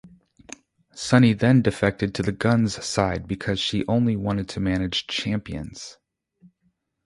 Sunny then defected to the Gunns' side because she only wanted to manage champions.